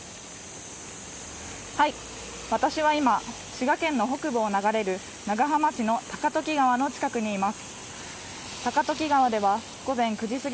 私は今滋賀県の北部を流れる長浜市の高時川の近くにいます